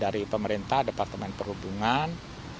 dari pemerintah departemen perhubungan